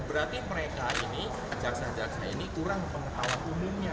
berarti mereka ini jaksa jaksa ini kurang pengetahuan umumnya